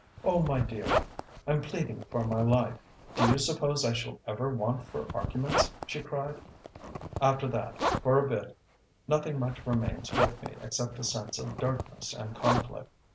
'Oh, my dear, I'm pleading for my life; do you suppose I shall ever want for arguments?' she cried.... "After that, for a bit, nothing much remains with me except a sense of darkness and of conflict.